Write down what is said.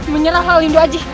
menyerahlah lindo aji